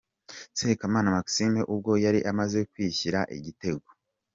Sekamana Maxime ubwo yari amaze kwishyura igitego .